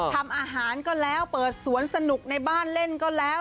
ทำอาหารก็แล้วเปิดสวนสนุกในบ้านเล่นก็แล้ว